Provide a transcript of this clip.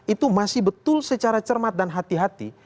itu masih betul secara cermat dan hati hati